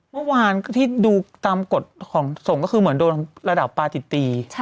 เมื่อวานที่ดูตามกฎของส่งก็คือเหมือนโดนระดับปาติตี